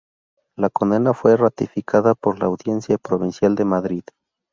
La condena fue ratificada por la Audiencia Provincial de Madrid.